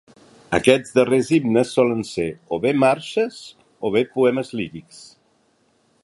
Aquests darrers himnes solen ser, o bé marxes, o bé poemes lírics.